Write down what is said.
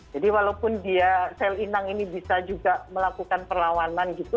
walaupun dia sel inang ini bisa juga melakukan perlawanan gitu